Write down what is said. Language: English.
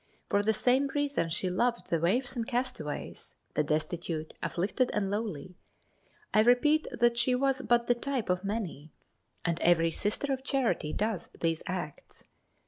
For the same reason she loved the waifs and castaways, the destitute, afflicted and lowly. I repeat that she was but the type of many, and every Sister of Charity does these acts.